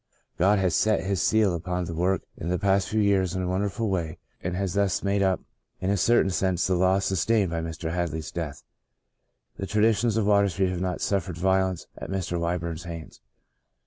God has set His seal upon the work in the past few years in a wonderful way and has thus made up in a certain sense the loss sustained by Mr. Hadley's death. The traditions of Water Street have not suffered violence at Mr. Wy burn's hands.